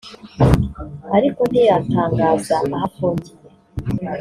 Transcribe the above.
ariko ntiyatangaza aho afungiye